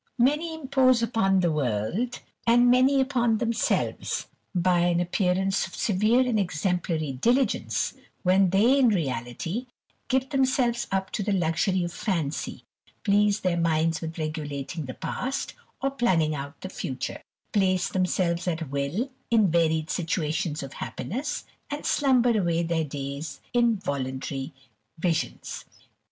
Many impose upon the world, and many upon themselves, by an appearance of severe and exemplary diligence, when they, in reality, give themselves up to the luxury of fancy, please their minds with regulating the past, or planning out the future ; place themselves at will in varied situations of happiness, and slumber away their days in voluntary visions.